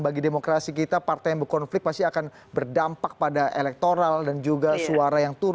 bagi demokrasi kita partai yang berkonflik pasti akan berdampak pada elektoral dan juga suara yang turun